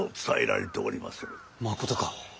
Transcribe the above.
まことか。